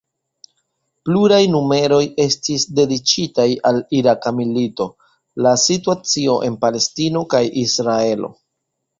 Pluraj numeroj estis dediĉitaj al Iraka milito, la situacio en Palestino kaj Israelo.